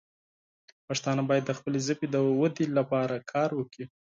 پښتانه باید د خپلې ژبې د ودې لپاره کار وکړي.